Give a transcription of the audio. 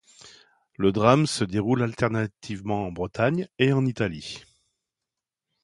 Le drame se déroule alternativement en Bretagne et en Italie.